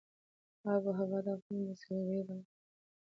آب وهوا د افغانستان د سیلګرۍ برخه ده.